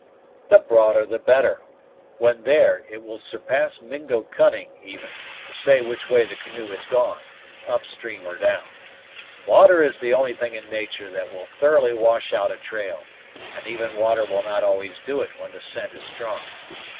"The broader the better; when there, it will surpass Mingo cunning, even, to say which way the canoe has gone up stream or down. Water is the only thing in natur' that will thoroughly wash out a trail, and even water will not always do it when the scent is strong.